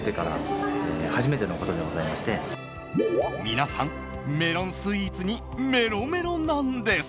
皆さん、メロンスイーツにメロメロなんです。